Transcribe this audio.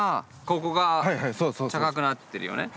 ここが高くなってるよね。